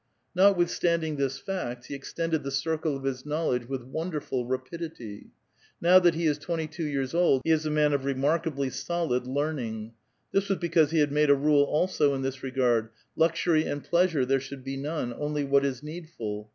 Notwithstanding this fact, he extended the circle of his knowledge with wonderful rapidity ; now that he is twenty two years old, he is a man of remarkably solid leaning. This was because he had made a rule also in this regard : luxury and pleasure there should be none ; only what is needful.